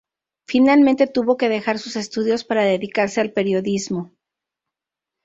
Finalmente tuvo que dejar sus estudios para dedicarse al periodismo.